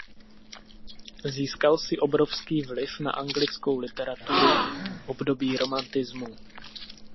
Získal si obrovský vliv na anglickou literaturu období romantismu.